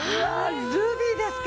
ルビーですか。